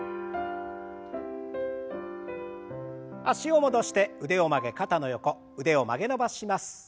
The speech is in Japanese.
脚を戻して腕を曲げ肩の横腕を曲げ伸ばしします。